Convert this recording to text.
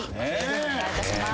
お願いいたします。